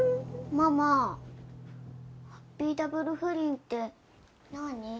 ママハッピーダブル不倫ってなぁに？